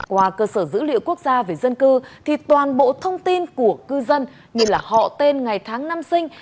qua cơ sở dữ liệu quốc gia về dân cư thì toàn bộ thông tin của cư dân như là họ tên ngày tháng năm sinh